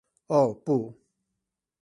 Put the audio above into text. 喔不